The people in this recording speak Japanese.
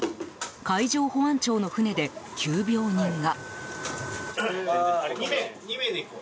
海上保安庁の船で、急病人が。